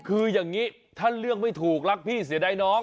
คืออย่างนี้ถ้าเลือกไม่ถูกรักพี่เสียดายน้อง